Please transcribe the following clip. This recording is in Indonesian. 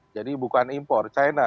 jadi bukan impor china